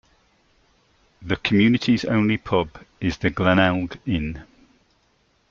The community's only pub is the Glenelg Inn.